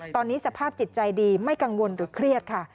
ตอนนี้สภาพจิตใจดีไม่กังวลหรือเครียดค่ะ